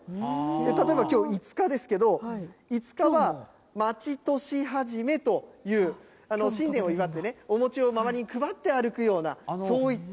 例えばきょう５日ですけど、５日は町年始という、新年を祝ってお餅を周りに配って歩くような、そういった。